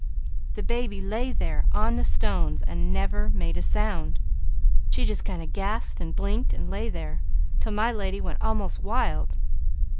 The baby lay there on the stones, and never made a sound. She just kind of gasped, and blinked, and lay there, till my lady went almost wild.